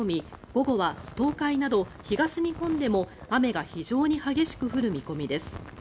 午後は東海など東日本でも雨が非常に激しく降る見込みです。